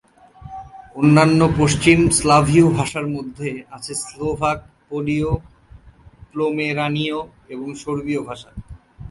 অন্যান্য পশ্চিম স্লাভীয় ভাষার মধ্যে আছে স্লোভাক, পোলীয়, পোমেরানীয় ও সর্বীয় ভাষা।